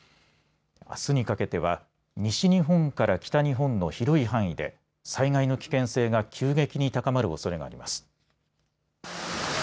あすにかけては西日本から北日本の広い範囲で災害の危険性が急激に高まるおそれがあります。